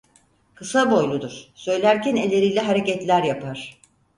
Kısa boyludur, söylerken elleriyle hareketler yapar.